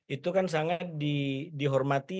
itu kan sangat dihormati